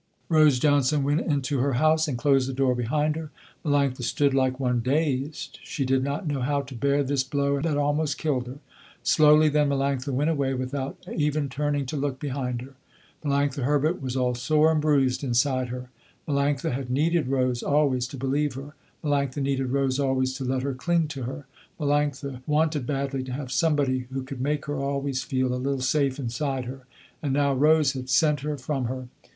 Rose Johnson went into her house and closed the door behind her. Melanctha stood like one dazed, she did not know how to bear this blow that almost killed her. Slowly then Melanctha went away without even turning to look behind her. Melanctha Herbert was all sore and bruised inside her. Melanctha had needed Rose always to believe her, Melanctha needed Rose always to let her cling to her, Melanctha wanted badly to have somebody who could make her always feel a little safe inside her, and now Rose had sent her from her.